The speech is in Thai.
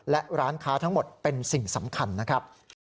และร้านค้าทั้งหมดเป็นสิ่งสำคัญนะครับ